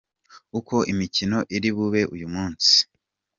Uko imikino iri bube uyu munsi.